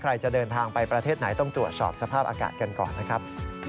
จะเดินทางไปประเทศไหนต้องตรวจสอบสภาพอากาศกันก่อนนะครับ